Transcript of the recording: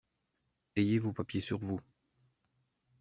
Ayez vos papiers sur vous.